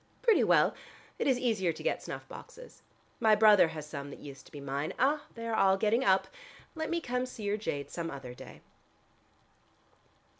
"Pretty well. It is easier to get snuff boxes. My brother has some that used to be mine. Ah, they are all getting up. Let me come to see your jade some other day."